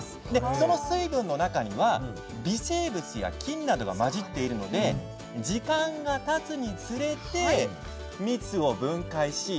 その水分の中には微生物や菌などが混じっているので時間がたつにつれて蜜を分解し酸に変えていくんですね。